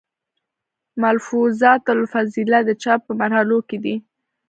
ملفوظات الافضلېه، د چاپ پۀ مرحلو کښې دی